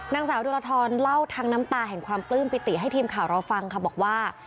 นางสาวดุรทรเล่าทั้งน้ำตาแห่งความปลื้มปิติให้ทีมข่าวเราฟังค่ะบอกว่า